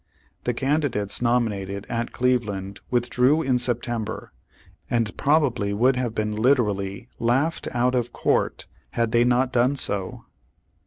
The candidates nominated at Cleve land withdrew in September, and probably would have been literally laughed out of court had they not done so.